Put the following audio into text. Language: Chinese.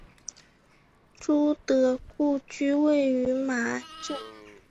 朱德故居位于马鞍镇。